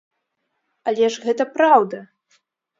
Але ж гэта праўда!